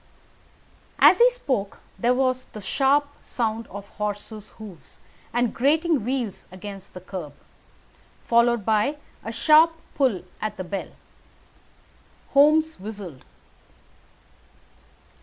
As he spoke there was the sharp sound of horses' hoofs and grating wheels against the curb, followed by a sharp pull at the bell. Holmes whistled.